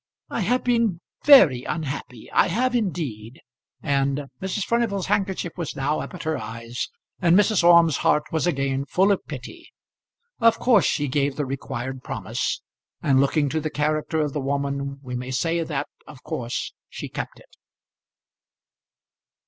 I have been very unhappy; I have indeed; and " Mrs. Furnival's handkerchief was now up at her eyes, and Mrs. Orme's heart was again full of pity. Of course she gave the required promise; and, looking to the character of the woman, we may say that, of course, she kept it.